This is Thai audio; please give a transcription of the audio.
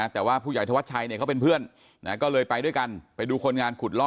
แต่ว่าผู้ใหญ่ทวัชชัยเนี่ยเขาเป็นเพื่อนก็เลยไปด้วยกัน